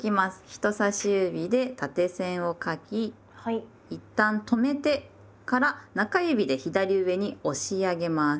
人さし指で縦線を書きいったん止めてから中指で左上に押し上げます。